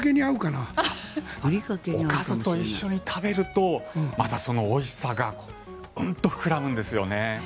おかずと一緒に食べるとまたそのおいしさがうんと膨らむんですよね。